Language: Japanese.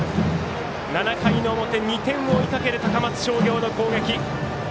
７回の表、２点を追いかける高松商業の攻撃。